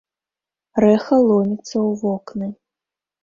Рэха ломіцца ў вокны.